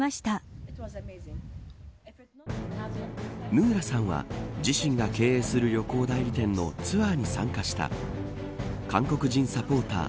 ヌーラさんは自身が経営する旅行代理店のツアーに参加した韓国人サポーター